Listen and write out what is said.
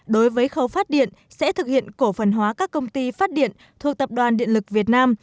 đối với khâu phát điện sẽ thực hiện cổ phần hóa các công ty phát điện thuộc tập đoàn điện lực việt nam